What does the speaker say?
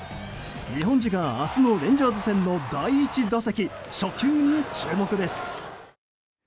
日本時間明日のレンジャース戦の第１打席初球に注目です。